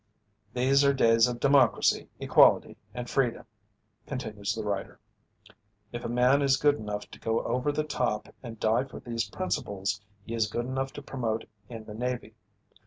These are days of democracy, equality and freedom," continues the writer. "If a man is good enough to go over the top and die for these principles, he is good enough to promote in the Navy.